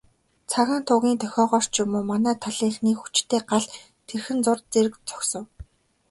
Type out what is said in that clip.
Цагаан тугийн дохиогоор ч юм уу, манай талынхны хүчтэй гал тэрхэн зуур зэрэг зогсов.